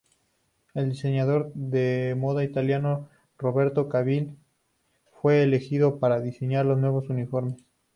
El diseñador de moda italiano, Roberto Cavalli fue elegido para diseñar los nuevos uniformes.